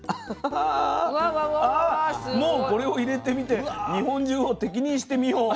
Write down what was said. あもうこれを入れてみて日本中を敵にしてみよう。